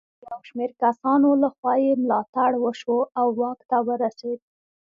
د یو شمېر کسانو له خوا یې ملاتړ وشو او واک ته ورسېد.